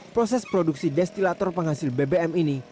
proses produksi destilator penghasil bbm ini